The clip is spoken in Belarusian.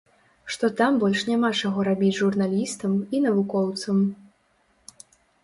Што там больш няма чаго рабіць журналістам і навукоўцам.